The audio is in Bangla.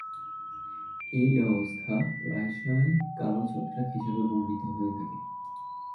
এই অবস্থা প্রায়শই কালো ছত্রাক হিসেবে বর্ণিত হয়ে থাকে।